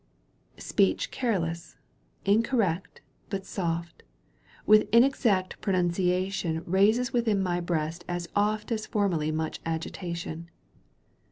Speech careless, incorrect, but soft, .With inexact pronunciation Kaises within my breast as oft As formerly much agitation.